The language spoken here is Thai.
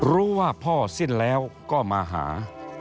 รู้ว่าพ่อสิ้นแล้วก็มาหา